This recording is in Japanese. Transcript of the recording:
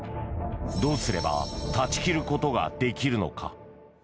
どうすれば断ち切ることができるのか。